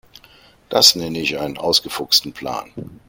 Das nenne ich einen ausgefuchsten Plan.